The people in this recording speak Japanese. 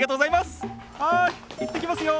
はい行ってきますよ。